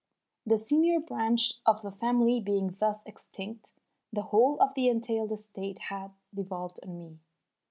The senior branch of the family being thus extinct the whole of the entailed estate had devolved on me.